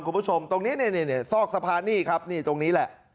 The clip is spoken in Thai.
คุณผู้ชมตรงนี้เนี่ยซอกสะพานนี่ครับนี่ตรงนี้แหละ